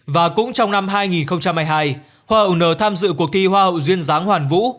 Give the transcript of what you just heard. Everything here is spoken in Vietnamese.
và cũng trong năm hai nghìn hai mươi hai hoa hậu n tham dự cuộc thi hoa hậu duyên dáng hoàn vũ